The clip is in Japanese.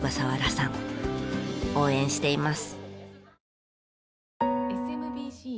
応援しています。